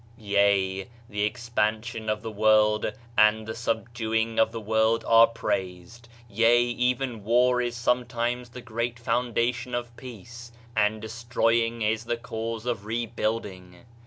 Yea, the expansion of the world and the subduing of the world arc praised ; yea, even war is sometimes the great foundation of peace, and destroying is the cause of rebuilding.